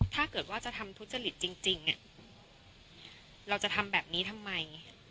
ถ้าเกิดว่าจะทำทุจริตจริงเราจะทำแบบนี้ทำไม